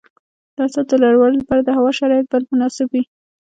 د حاصل د لوړوالي لپاره د هوا شرایط باید مناسب وي.